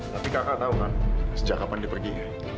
tapi kakak tahu kan sejak kapan dia pergi